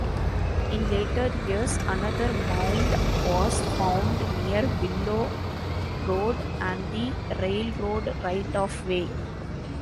In later years another mound was found near Willow Road and the railroad right-of-way.